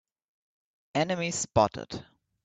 Enemy spotted!